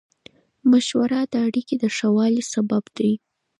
مشوره د اړیکو د ښه والي سبب دی.